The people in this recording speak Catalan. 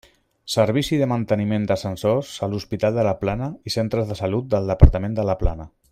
Servici de manteniment d'ascensors a l'Hospital de la Plana i centres salut del Departament de la Plana.